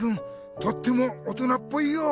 とっても大人っぽいよ。